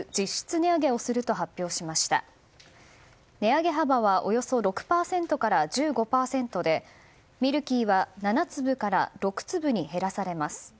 値上げ幅はおよそ６％から１５％でミルキーは７粒から６粒に減らされます。